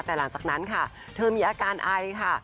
แต่หลังจากนั้นค่ะเธอมีอาการไอค่ะ